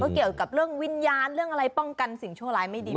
เกี่ยวกับเรื่องวิญญาณเรื่องอะไรป้องกันสิ่งชั่วร้ายไม่ดี